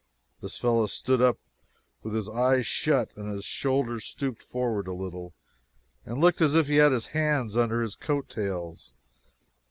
This fellow stood up with his eyes shut and his shoulders stooped forward a little, and looked as if he had his hands under his coat tails.